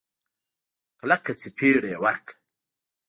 کلکه سپېړه يې ورکړه.